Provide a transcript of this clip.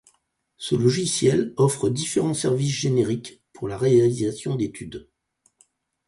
Ce logiciel offre différents services génériques pour la réalisation d'études.